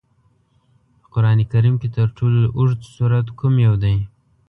په قرآن کریم کې تر ټولو لوږد سورت کوم یو دی؟